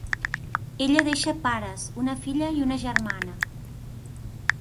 Ella deixa pares, una filla i una germana.